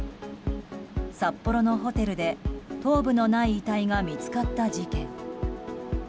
札幌のホテルで頭部のない遺体が見つかった事件。